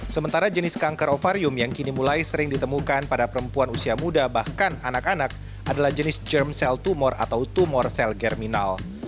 sementara jenis kanker ovarium yang kini mulai sering ditemukan pada perempuan usia muda bahkan anak anak adalah jenis germ cell tumor atau tumor sel germinal